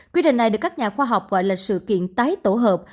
quy trình này được các nhà khoa học gọi là sự kiện tái tổ hợp